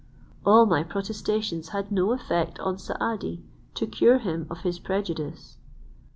All my protestations had no effect on Saadi, to cure him of his prejudice.